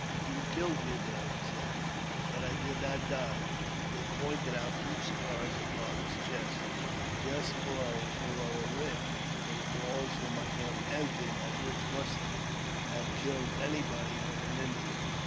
" You killed me there," he said, "but I did. not die; " and he pointed out two scars upon his chest, just below the lower rib, where the balls from my gun entered, and which must have killed anybody but an Indian.